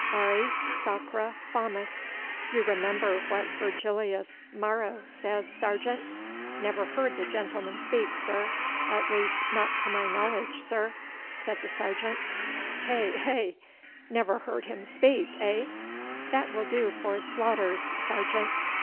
"Auri sacra fames" you remember what Virgilius Maro says, sergeant?' 'Never heard the gentleman speak, sir at least not to my knowledge, sir,' said the sergeant. 'Heh, heh! Never heard him speak, heh? That will do for Slaughter's, sergeant.